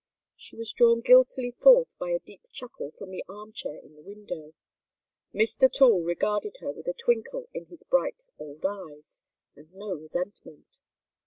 She was drawn guiltily forth by a deep chuckle from the arm chair in the window. Mr. Toole regarded her with a twinkle in his bright old eyes, and no resentment.